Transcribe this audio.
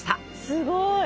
すごい。